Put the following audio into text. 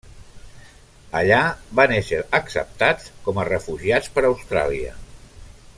Allà, van ésser acceptats com a refugiats per Austràlia.